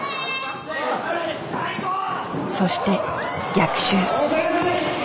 そして逆襲。